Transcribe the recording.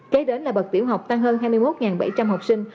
kế đến là bậc tiểu học tăng hơn hai mươi một bảy trăm linh học sinh